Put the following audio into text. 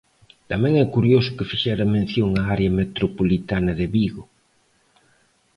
Tamén é curioso que fixera mención á área metropolitana de Vigo.